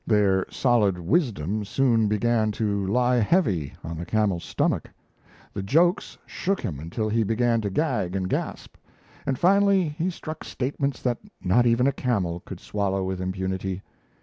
Their solid wisdom soon began to lie heavy on the camel's stomach: the jokes shook him until he began to gag and gasp, and finally he struck statements that not even a camel could swallow with impunity.